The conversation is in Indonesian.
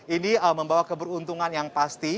ini membawa keberuntungan yang pasti